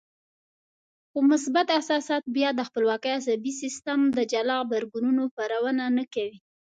خو مثبت احساسات بيا د خپلواک عصبي سيستم د جلا غبرګونونو پارونه نه کوي.